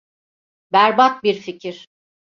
Berbat bir fikir.